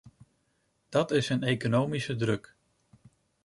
Dat is een economische druk.